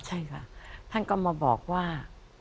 ใช่ค่ะท่านก็มาบอกว่า